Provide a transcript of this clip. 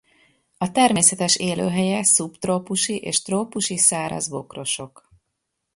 A természetes élőhelye szubtrópusi és trópusi száraz bokrosok.